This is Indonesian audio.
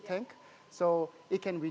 jadi bisa mengurangkan